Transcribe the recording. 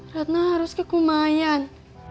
ratna harus ke kumayan